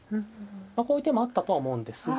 まあこういう手もあったとは思うんですが。